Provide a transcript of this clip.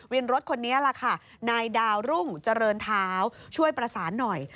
วินรถคนนี้ล่ะค่ะนายดาวรุ่งเจริญเท้าช่วยประสานหน่อย